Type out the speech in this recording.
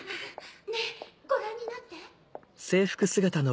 ねぇご覧になって！